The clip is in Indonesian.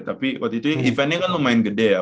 tapi waktu itu eventnya kan lumayan gede ya